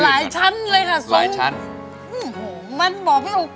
หลายชั้นเลยค่ะสองมันบอกไม่รู้